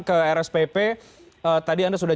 ke rspp tadi anda sudah